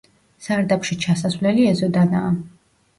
სარდაფში ჩასასვლელი ეზოდანაა.